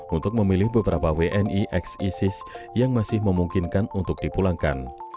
untuk memilih beberapa wni ex isis yang masih memungkinkan untuk dipulangkan